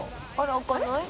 開かない？